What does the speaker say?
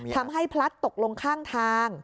ทำให้พลัดตกลงข้างทาง